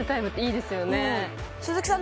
鈴木さん